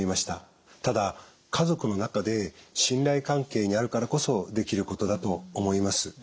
ただ家族の中で信頼関係にあるからこそできることだと思います。